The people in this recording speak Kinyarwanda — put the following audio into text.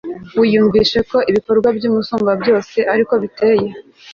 wiyumvishe ko n'ibikorwa by'umusumbabyose ari ko biteye